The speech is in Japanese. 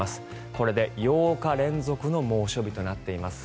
これで８日連続の猛暑日となっています。